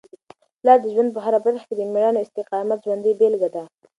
پلار د ژوند په هره برخه کي د مېړانې او استقامت ژوندۍ بېلګه ده.